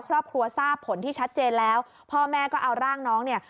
ครอบครัวทราบผลที่ชัดเจนแล้วพ่อแม่ก็เอาร่างน้องเนี่ย